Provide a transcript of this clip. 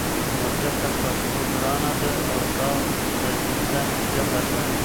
نو ځکه پښتو ګرانه ده او دا د عزت ژبه ده.